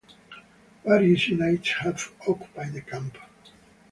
Various units have occupied the camp.